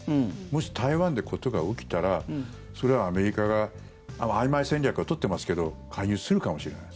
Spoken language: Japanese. もし、台湾で事が起きたらそれはアメリカがあいまい戦略は取っていますけど介入するかもしれない。